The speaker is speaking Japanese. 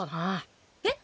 えっ。